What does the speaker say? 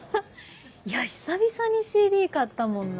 いや久々にＣＤ買ったもんな。